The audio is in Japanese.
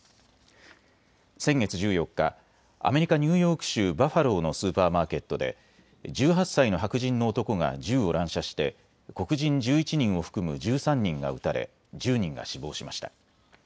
先月１４日、アメリカ・ニューヨーク州バファローのスーパーマーケットで１８歳の白人の男が銃を乱射して黒人１１人を含む１３人が撃たれ１０人が死亡しました。